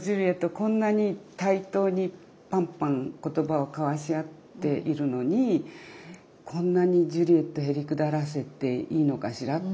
こんなに対等にパンパン言葉を交わし合っているのにこんなにジュリエットへりくだらせていいのかしら。